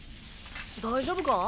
大丈夫か？